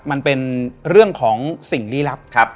มันเป็นเรื่องของสิ่งลี้ลับครับ